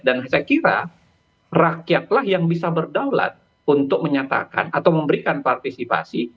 saya kira rakyatlah yang bisa berdaulat untuk menyatakan atau memberikan partisipasi